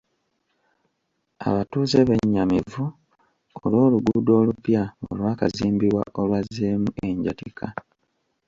Abatuuze bennyamivu olw'oluguudo olupya olwakazimbibwa olwazzeemu enjatika.